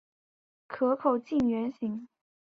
壳口近圆形。